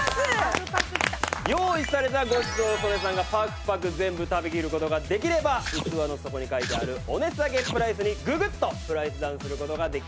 用意されたごちそうを曽根さんがパクパク全部食べきる事ができれば器の底に書いてあるお値下げプライスにググッとプライスダウンする事ができます。